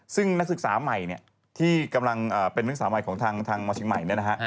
ซึ่งนักศึกษาใหม่ที่กำลังเป็นนักศึกษาใหม่ของทางเมาชิงใหม่